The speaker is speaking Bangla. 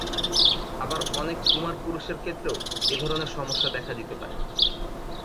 আবার অনেক কুমার পুরুষের ক্ষেত্রেও এ ধরনের সমস্যা দেখা দিতে পারে।